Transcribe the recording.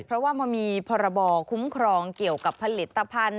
เพราะว่ามันมีพรบคุ้มครองเกี่ยวกับผลิตภัณฑ์